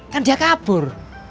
kan dia kabur